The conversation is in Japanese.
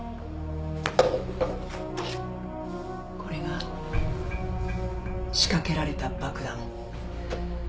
これが仕掛けられた爆弾。